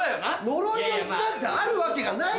呪いの椅子なんてあるわけがない。